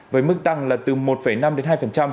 với mức tăng là từ một năm đến hai